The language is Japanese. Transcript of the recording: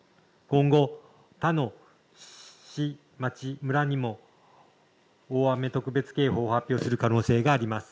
今後他の市町村にも大雨特別警報を発表する可能性があります。